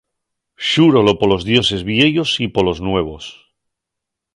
Xúrolo polos dioses vieyos y polos nuevos.